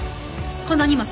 この荷物。